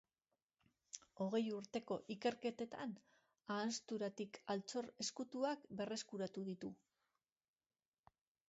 Hogei urteko ikerketan ahanzturatik altxor ezkutuak berreskuratu ditu.